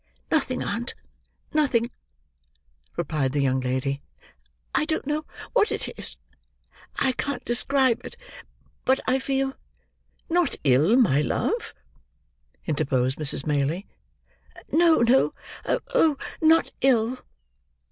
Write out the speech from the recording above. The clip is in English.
"Nothing, aunt; nothing," replied the young lady. "I don't know what it is; I can't describe it; but I feel—" "Not ill, my love?" interposed Mrs. Maylie. "No, no! Oh, not ill!"